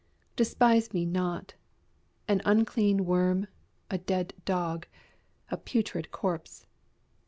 Despise me not an unclean worm, a dead dog, a putrid corpse.